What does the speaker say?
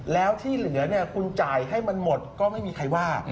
แล้วที่เหลือเนี่ยคุณจ่ายให้มันหมดก็ไม่มีใครว่า